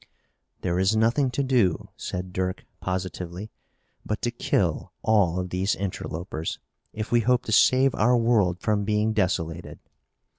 "There is nothing to do," said Dirk positively, "but to kill all of these interlopers, if we hope to save our world from being desolated."